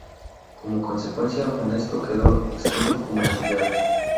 Como consecuencia, Banesto quedó extinto como entidad.